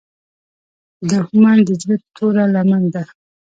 دښمن د زړه توره لمن ده